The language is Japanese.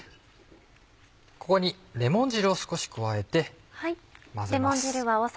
ここにレモン汁を少し加えて混ぜます。